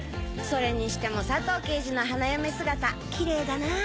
それにしても佐藤刑事の花嫁姿キレイだなぁ。